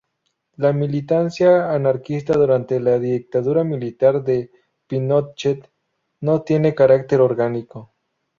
La militancia anarquista durante la dictadura militar de Pinochet no tiene carácter orgánico.